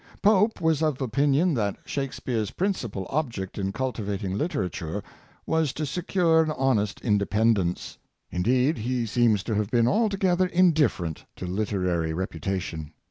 Pope was of opinion that Shakspeare's principal object in cultivating literature was to secure an honest independence. In deed he seems to have been altogether indifferent to literary reputation.